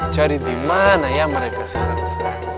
cari di mana ya mereka sih harus